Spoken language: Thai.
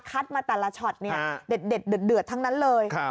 มาแต่ละช็อตเนี่ยเด็ดเดือดทั้งนั้นเลย